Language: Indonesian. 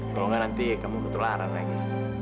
tolonglah nanti kamu ketularan ya